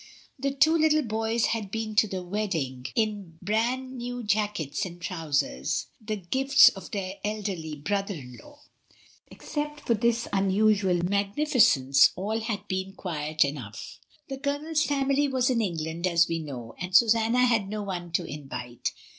The two little boys had been to the wedding in bran new jackets and trousers — the gift of their elderly brother in law. Except for this unusual A WEDDING PARTY. 1 39 magnificence all had been quiet enough. The ColoneFs family was in England, as we know, and Susanna had no one to invite.